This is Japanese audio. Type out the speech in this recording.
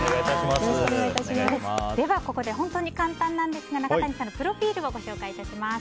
ここで本当に簡単なんですが中谷さんのプロフィールをご紹介いたします。